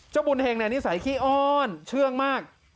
เจ้าบุญเฮงเนี่ยนิสัยขี้อ้อนเชื่องมาก